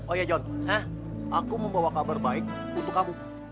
oh iya jon aku mau bawa kabar baik untuk kamu